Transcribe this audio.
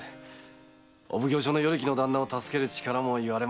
お奉行所の与力の旦那を助ける力も謂もございません。